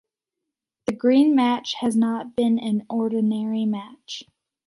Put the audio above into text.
The great match had not been an ordinary match.